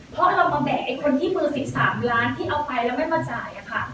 เพราะเรามาแบ่งไอ้คนที่เบอร์๑๓ล้านที่เอาไปแล้วไม่มาจ่ายอะค่ะ